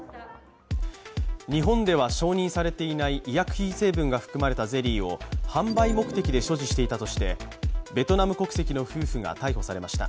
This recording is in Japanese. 日本では承認されていない医薬品成分が含まれたゼリーを販売目的で所持していたとしてベトナム国籍の夫婦が逮捕されました。